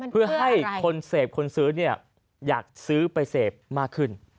เพื่อให้คนเสพคนซื้ออยากซื้อไปเสพมากขึ้น